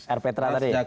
air petra tadi